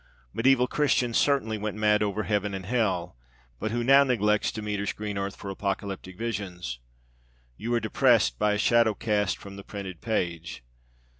Mediæval Christians certainly went mad over heaven and hell; but who now neglects Demeter's green earth for apocalyptic visions? You are depressed by a shadow cast from the printed page.